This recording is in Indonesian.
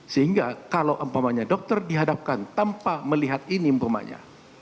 sehingga kalau umpamanya dokter dihadapkan tanpa melihat ini umpamanya